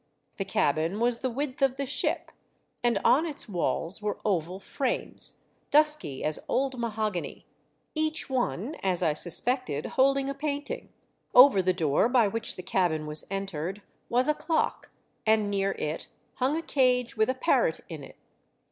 The cabin was the width of the ship, and on its walls were oval frames, dusky as old mahogany, each one, as I suspected, holding a painting. Over the door by which the cabin was entered was a clock and near it hung a cage with a parrot in it.